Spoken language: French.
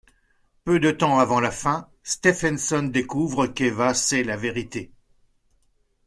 Peu de temps avant la fin, Stefenson découvre qu'Eva sait la vérité.